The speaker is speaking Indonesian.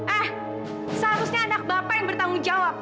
eh seharusnya anak bapak yang bertanggung jawab